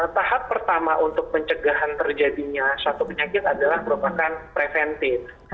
tahap pertama untuk pencegahan terjadinya suatu penyakit adalah merupakan preventif